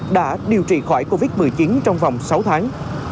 đã điều trị khỏi covid một mươi chín trong vòng sáu tháng